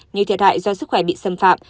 như thiệt hại do sức khỏe bị xâm phạm